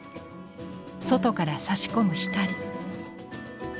外からさし込む光。